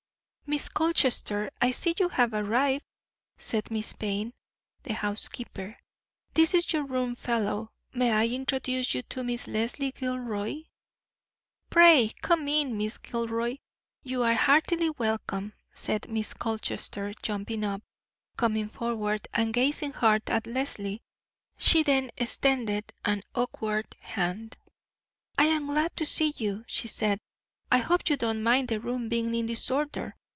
"Miss Colchester, I see you have arrived," said Miss Payne the housekeeper. "This is your room fellow; may I introduce you to Miss Leslie Gilroy?" "Pray come in, Miss Gilroy; you are heartily welcome," said Miss Colchester, jumping up, coming forward, and gazing hard at Leslie. She then extended an awkward hand. "I am glad to see you," she said. "I hope you don't mind the room being in disorder.